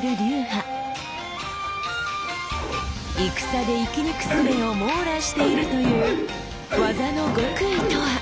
戦で生き抜くすべを網羅しているという技の極意とは？